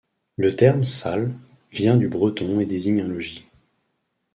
Le terme “Salles” vient du breton et désigne un logis.